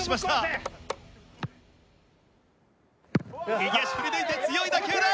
右足振り抜いて強い打球だ！